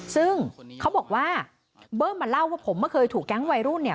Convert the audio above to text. ซึ่งเขาบอกว่าเบิ้มมาเล่าว่าผมไม่เคยถูกแก๊งวัยรุ่นเนี่ย